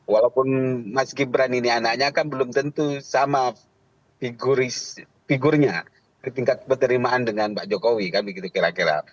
walaupun mas gibran ini anaknya kan belum tentu sama figurnya tingkat keterimaan dengan pak jokowi kan begitu kira kira